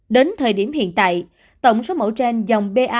đến thời điểm hiện tại tổng số mẫu gen của ba hai đã được phát hiện